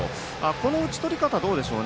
この打ち取り方どうでしょうか。